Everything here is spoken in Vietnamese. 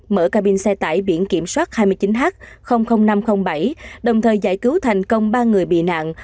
mở cabin xe tải biển kiểm soát hai mươi chín h năm trăm linh bảy đồng thời giải cứu thành công ba người bị nạn